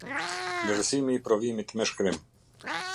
Vlerësimi i provimit me shkrim.